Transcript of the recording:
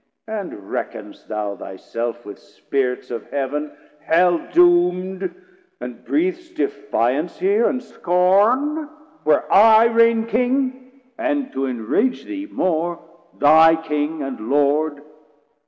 And reck'n'st thou thy self with Spirits of Heav'n, Hell doomd, and breath'st defiance here and scorn, Where I reign King, and to enrage thee more, Thy King and Lord?